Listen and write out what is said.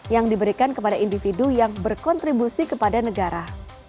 yang diberikan kepada individu yang berkontribusi kepada negara